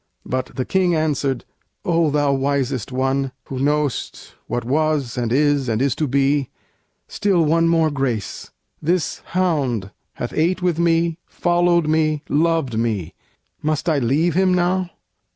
But the King answered: "O thou Wisest One, Who know'st what was, and is, and is to be, Still one more grace! This hound hath ate with me, Followed me, loved me: must I leave him now?"